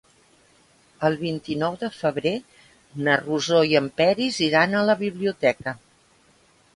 El vint-i-nou de febrer na Rosó i en Peris iran a la biblioteca.